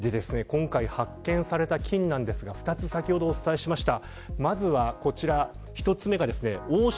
今回発見された菌なんですが２つ、先ほどお伝えしました。